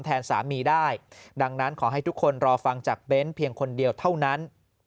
แทนสามีได้ดังนั้นขอให้ทุกคนรอฟังจากเบ้นเพียงคนเดียวเท่านั้น